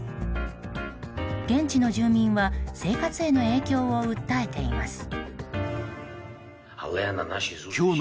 現地の住民は生活への影響を訴えています。